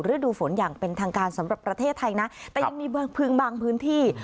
ฤดูฝนอย่างเป็นทางการสำหรับประเทศไทยนะแต่ยังมีบางพึงบางพื้นที่